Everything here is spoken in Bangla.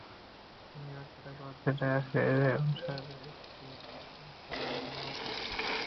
তিনি বক্তৃতা করতে ডায়াসে এলে অনুসারীদের একটি অংশ তাঁর পেছনে অবস্থান নেন।